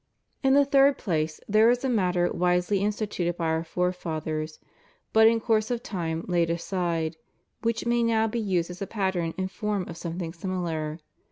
In the third place, there is a matter wisely instituted by our forefathers, but in course of time laid aside, which may now be used as a pattern and form of something similar.